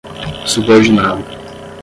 subordinado